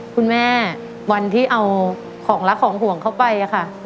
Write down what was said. วันที่เอาของรักของห่วงเข้าไปค่ะ